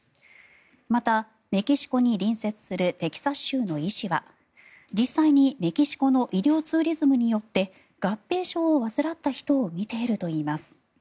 また、メキシコに隣接するテキサス州の医師は実際にメキシコの医療ツーリズムによって合併症を患った人を見ているといいます。